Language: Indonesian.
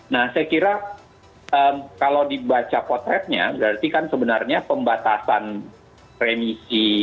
nah saya kira kalau dibaca potretnya berarti kan sebenarnya pembatasan remisi